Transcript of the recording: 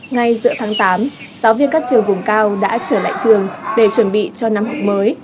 ngay giữa tháng tám giáo viên các trường vùng cao đã trở lại trường để chuẩn bị cho năm học mới